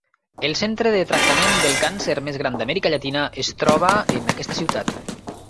El centre de tractament del càncer més gran d'Amèrica Llatina es troba en aquesta ciutat.